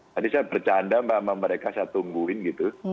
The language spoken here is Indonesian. tadi saya bercanda mbak sama mereka saya tungguin gitu